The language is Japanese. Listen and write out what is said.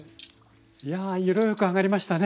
いやあ色よく揚がりましたね。